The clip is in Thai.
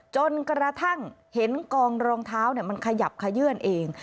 จนกระทั่งเห็นกองรองเท้ามันขยับขยื่นเอง